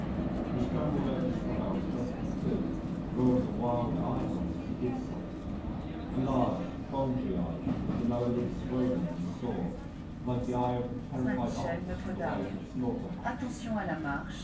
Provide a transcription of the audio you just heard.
He scrambled over the stile as best he could, rolling a wild eye at us as he did so a large, bulgy eye with the lower lid swollen and sore, like the eye of a terrified ox on the way to the slaughter house.